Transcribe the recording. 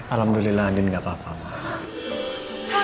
alhamdulillah andien gak apa apa ma